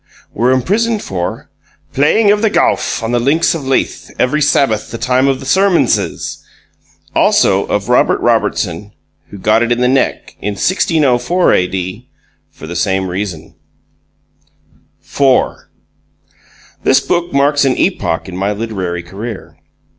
WERE IMPRISONED FOR "PLAYING OF THE GOWFF ON THE LINKS OF LEITH EVERY SABBATH THE TIME OF THE SERMONSES", ALSO OF ROBERT ROBERTSON WHO GOT IT IN THE NECK IN 1604 A.D. FOR THE SAME REASON FORE! This book marks an epoch in my literary career.